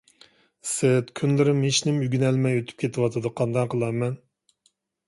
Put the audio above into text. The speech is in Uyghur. ئىسىت، كۈنلىرىم ھېچنېمە ئۆگىنەلمەي ئۆتۈپ كېتىۋاتىدۇ. قانداق قىلارمەن؟